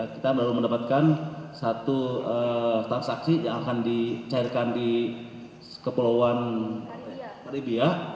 kita baru mendapatkan satu transaksi yang akan dicairkan di kepulauan ribia